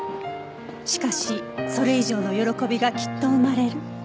しかしそれ以上の喜びがきっと生まれる